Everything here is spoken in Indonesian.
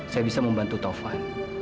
saya bisa membantu taufan